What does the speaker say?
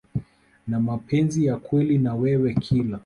na mapenzi ya kweli na wewe Kila